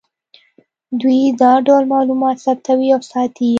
دوی دا ټول معلومات ثبتوي او ساتي یې